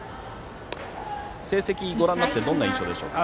成績、ご覧になってどんな印象ですか。